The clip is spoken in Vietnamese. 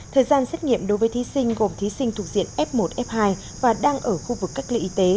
thời gian xét nghiệm đối với thí sinh gồm thí sinh thuộc diện f một f hai và đang ở khu vực cách ly y tế